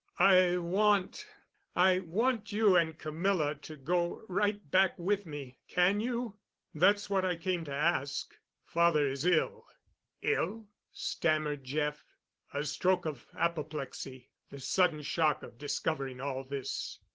"I want—I want you and Camilla to go right back with me. Can you? That's what I came to ask. Father is ill." "Ill?" stammered Jeff. "A stroke of apoplexy—the sudden shock of discovering all this."